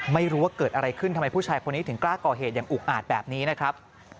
ไม่รู้ว่าเกิดอะไรขึ้นทำไมผู้ชายคนนี้ถึงกล้าก่อเหตุอย่างอุกอาจแบบนี้นะครับ